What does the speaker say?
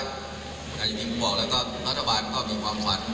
อย่างที่ผมบอกแล้วก็รัฐบาลก็มีความฝัน